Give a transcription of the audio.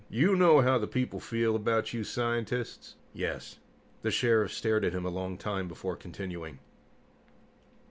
"You know how the people feel about you scientists?" "Yes." The Sheriff stared at him a long time before continuing.